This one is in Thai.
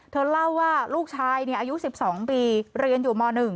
เธอเล่าว่าลูกชายอายุ๑๒ปีเรียนอยู่ม๑